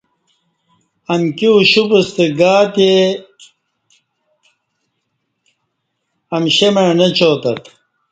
امکی اوشپ ستہ گاتے امشیں مع نچاتت